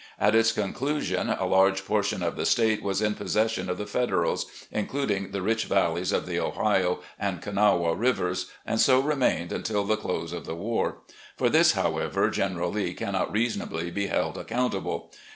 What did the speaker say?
At its conclusion, a large portion of the State was in possession of the Federals, including the rich valleys of the Ohio and Kanawha rivers, and so remained until the close of the war. For this, however, General Lee cannot reasonably be held account able.